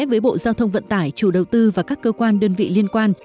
với bộ giao thông vận tải chủ đầu tư và các cơ quan đơn vị liên quan